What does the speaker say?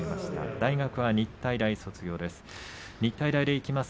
大学は日体大です。